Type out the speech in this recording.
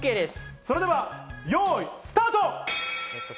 それでは、よいスタート！